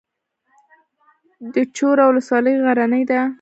د چوره ولسوالۍ غرنۍ ده